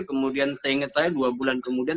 kemudian seingat saya dua bulan kemudian